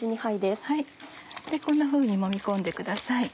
こんなふうにもみ込んでください。